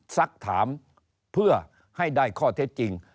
สักถามเพื่อให้ได้ข้อเท็จจริง